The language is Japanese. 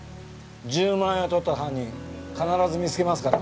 １０万円をとった犯人必ず見つけますから。